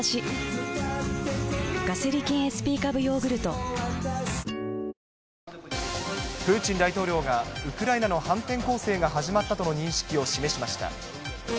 ＥＬＩＸＩＲの「リンクルクリーム」あなたもプーチン大統領がウクライナの反転攻勢が始まったとの認識を示しました。